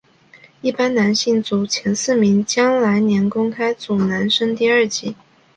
一般男生组前四名将来年公开组男生第二级。